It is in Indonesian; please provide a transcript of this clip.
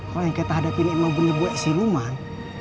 kalau yang kita hadapi ini emang buaya buaya sinuman